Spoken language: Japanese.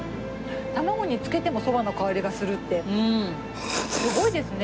卵につけてもそばの香りがするってすごいですね。